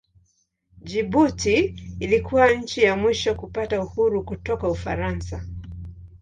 Jibuti ilikuwa nchi ya mwisho kupata uhuru kutoka Ufaransa.